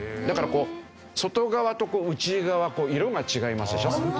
だからこう外側と内側色が違いますでしょ？